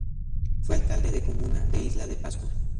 Fue alcalde de comuna de Isla de Pascua.